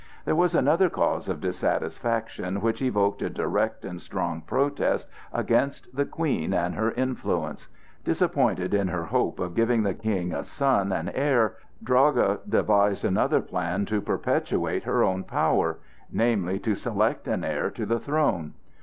There was another cause of dissatisfaction, which evoked a direct and strong protest against the Queen and her influence. Disappointed in her hope of giving the King a son and heir, Draga devised another plan to perpetuate her own power,—namely, to select an heir to the throne.